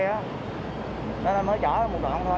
nên mới chở một đoạn thôi chỉ chở một đoạn thôi